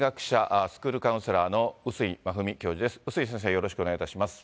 よろしくお願いします。